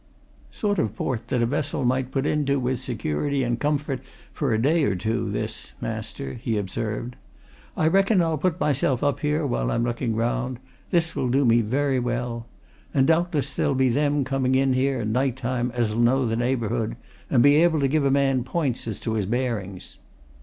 "Sort of port that a vessel might put into with security and comfort for a day or two, this, master," he observed. "I reckon I'll put myself up here, while I'm looking round this will do me very well. And doubtless there'll be them coming in here, night time, as'll know the neighbourhood, and be able to give a man points as to his bearings."